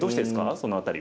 その辺り。